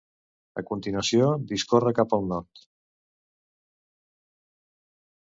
A continuació discorre cap al nord.